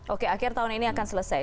oke akhir tahun ini akan selesai